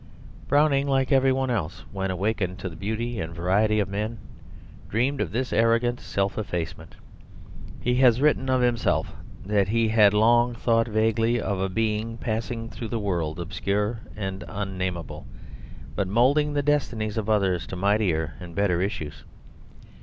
Browning, like every one else, when awakened to the beauty and variety of men, dreamed of this arrogant self effacement. He has written of himself that he had long thought vaguely of a being passing through the world, obscure and unnameable, but moulding the destinies of others to mightier and better issues.